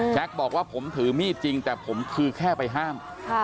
บอกว่าผมถือมีดจริงแต่ผมคือแค่ไปห้าม